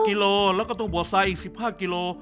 ๕กิโลแล้วก็ต้องบวชไซส์อีก๑๕กิโล